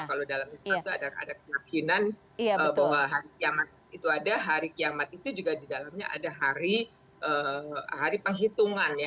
kalau misalnya ada kenyakinan bahwa hari kiamat itu ada hari kiamat itu juga di dalamnya ada hari perhitungan ya